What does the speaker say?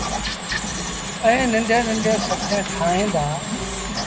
ائيٚݩ ننڍيٚݩ ننڍيٚݩ سٿريٚݩ ٺاهيݩ دآ۔